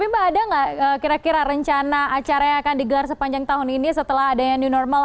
mbak ada nggak kira kira rencana acara yang akan digelar sepanjang tahun ini setelah adanya new normal